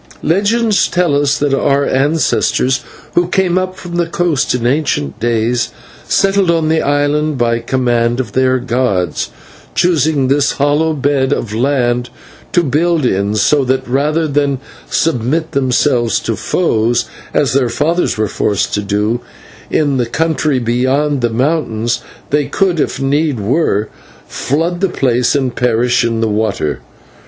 "Legend tells us that our ancestors who came up from the coast in ancient days settled on the island and by command of their gods, choosing this hollow bed of land to build in, so that rather than submit themselves to foes, as their fathers were forced to do in the country beyond the mountain, they could, if need were, flood the place and perish in the water.